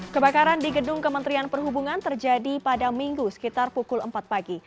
kebakaran di gedung kementerian perhubungan terjadi pada minggu sekitar pukul empat pagi